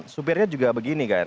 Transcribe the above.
supirnya juga begini kan